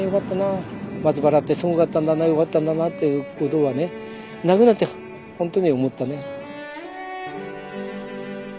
松原ってすごかったんだなよかったんだなっていうことはねなくなってほんとに思ったね。